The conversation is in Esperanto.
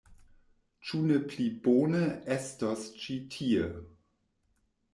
Ĉu ne pli bone estos ĉi tie.